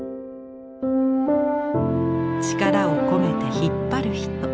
力を込めて引っ張る人。